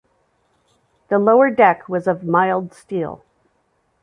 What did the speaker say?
The lower deck was of mild steel.